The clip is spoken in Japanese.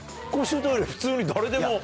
普通に誰でも。